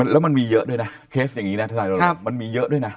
แล้วมันมีเยอะด้วยนะเคสอย่างนี้นะมันมีเยอะด้วยนะ